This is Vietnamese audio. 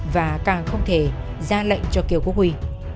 và càng không thể ra lệnh cho kiều quốc huy